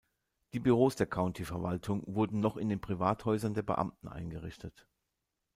Die Büros der Countyverwaltung wurden noch in den Privathäusern der Beamten eingerichtet.